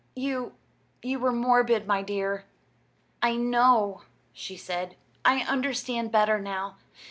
You you were morbid, my dear." "I know," she said. "I understand better now.